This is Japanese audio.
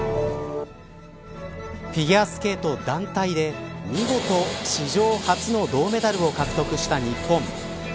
フィギュアスケート団体で見事、史上初の銅メダルを獲得した日本。